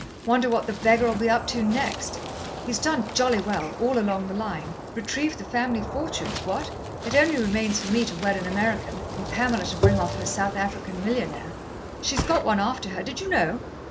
Wonder what the beggar'll be up to next? He's done jolly well, all along the line retrieved the family fortunes, what? It only remains for me to wed an American, and Pamela to bring off her South African millionaire. She's got one after her, did you know?"